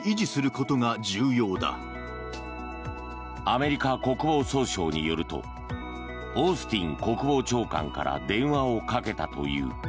アメリカ国防総省によるとオースティン国防長官から電話をかけたという。